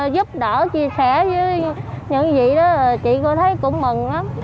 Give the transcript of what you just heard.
giúp đỡ chia sẻ với những gì đó chị tôi thấy cũng mừng lắm